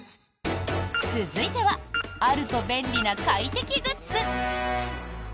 続いてはあると便利な快適グッズ。